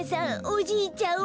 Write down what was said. おじいちゃん